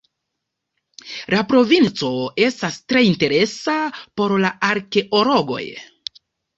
La provinco estas tre interesa por arkeologoj.